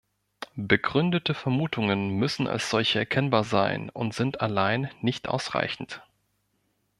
Begründete Vermutungen müssen als solche erkennbar sein und sind allein nicht ausreichend.